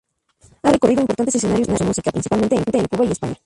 Ha recorrido importantes escenarios con su música, principalmente en Cuba y España.